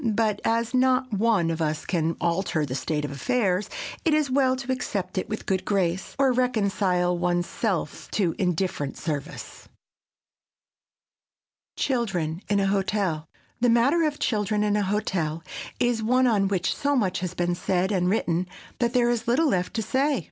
But as not one of us can alter the state of affairs, it is well to accept it with a good grace, or reconcile one's self to indifferent service. [Sidenote: CHILDREN IN A HOTEL] The matter of children in a hotel is one on which so much has been said and written that there is little left to say.